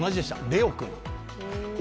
レオくん。